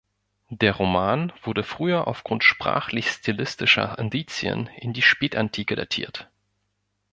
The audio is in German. Der Roman wurde früher aufgrund sprachlich-stilistischer Indizien in die Spätantike datiert.